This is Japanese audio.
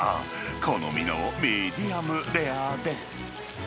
好みのミディアムレアで。